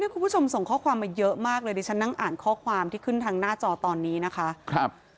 คุณผู้ชมส่งข้อความมาเยอะมากเลยดิฉันนั่งอ่านข้อความที่ขึ้นทางหน้าจอตอนนี้นะคะ